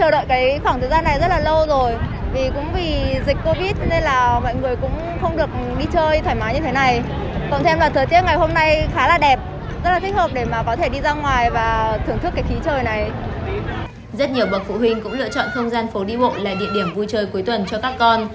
rất nhiều bậc phụ huynh cũng lựa chọn không gian phố đi bộ là địa điểm vui chơi cuối tuần cho các con